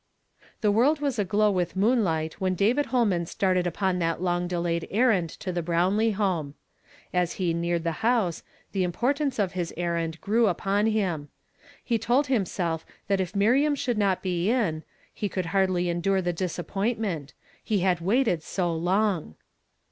The world was aglow with moonlight when David Ilolman started upon that long delayed errand to the lirownlee home. As he neared the house, the importance of his errand grew upon him. He told himself that if Miriam should not be in, he could hardly endure the disappoint ment ; he had waited so long